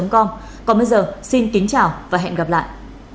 còn bây giờ xin kính chào và hẹn gặp lại